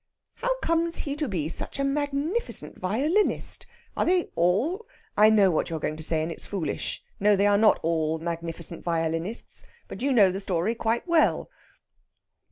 "How comes he to be such a magnificent violinist? Are they all...?" "I know what you are going to say, and it's foolish. No, they are not all magnificent violinists. But you know the story quite well."